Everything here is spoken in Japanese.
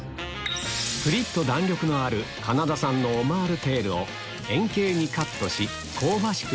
プリっと弾力のあるカナダ産のオマールテールを円形にカットし香ばしく